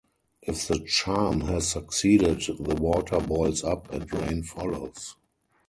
If the charm has succeeded, the water boils up and rain follows.